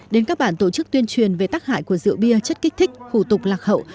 đến các bản tổ chức tuyên truyền về tác hại của rượu bia chất kích thích khủ tục lạc hậu